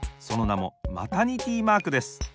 そのなもマタニティマークです。